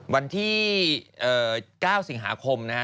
การที่๙สิงหาคม